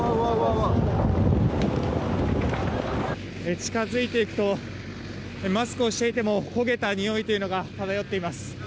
近づいていくとマスクをしていても焦げたにおいというのが漂っています。